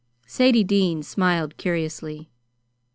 Sadie Dean smiled curiously.